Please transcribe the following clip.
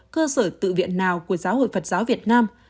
cơ sở tự viện nào của giáo hội phật giáo việt nam